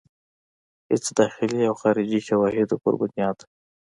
هيڅ داخلي او خارجي شواهدو پۀ بنياد